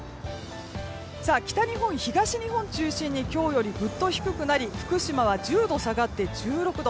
北日本、東日本中心に今日よりぐっと低くなり福島は１０度下がって１６度。